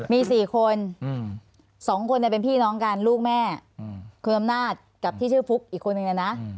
มี๔คน๒คนเป็นพี่น้องกันลูกแม่คุณอำนาจกับที่ชื่อฟุ๊กอีกคนนึงนะนะ